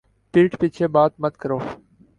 پِیٹھ پیچھے بات مت کرو